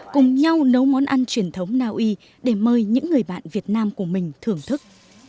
cùng nhau nấu món ăn truyền thống naui để mời những người bạn việt nam của mình thưởng thức